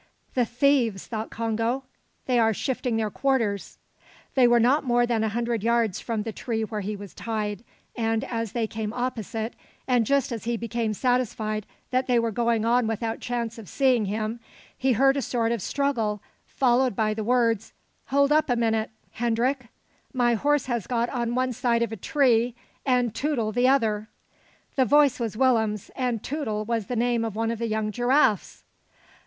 "The thieves," thought Congo. "They are shifting their quarters." They were not more than a hundred yards from the tree where he was tied; and, as they came opposite, and just as he became satisfied that they were going on without chance of seeing him, he heard a sort of struggle, followed by the words: "Hold up a minute, Hendrik; my horse has got on one side of a tree, and Tootla the other." The voice was Willem's, and "Tootla" was the name of one of the young giraffes!